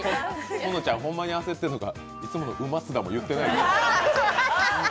このちゃん、ホンマに焦ってるから、いつもの「うまつだ」も言ってない。